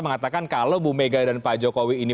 mengatakan kalau bu mega dan pak jokowi ini